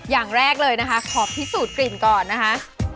อย่างแรกเลยนะคะขอพิสูจน์กลิ่นก่อนนะคะ